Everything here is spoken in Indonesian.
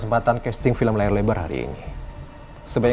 mbak andin selingkuh sama roy